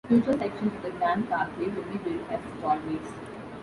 Future sections of the Grand Parkway will be built as tollways.